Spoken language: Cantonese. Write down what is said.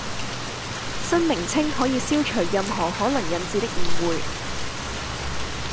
新名稱可以消除任何可能引致的誤會